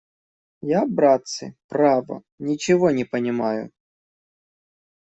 Я, братцы, право, ничего не понимаю!..